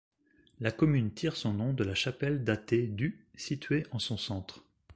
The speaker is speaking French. La commune tire son nom de la chapelle datée du située en son centre.